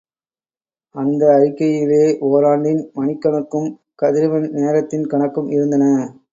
அந்த அறிக்கையிலே, ஓராண்டின், மணிக்கணக்கும், கதிரவன் நேரத்தின் கணக்கும் இருந்தன.